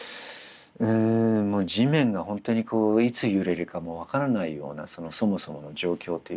うん地面が本当にこういつ揺れるかも分からないようなそのそもそもの状況というものがあって。